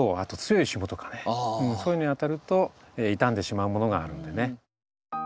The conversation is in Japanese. そういうのにあたると傷んでしまうものがあるんでね。